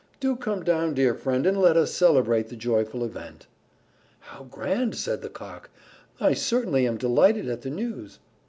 Do come down, dear friend, and let us celebrate the joyful event." "How grand!" said the Cock. "I certainly am delighted at the news."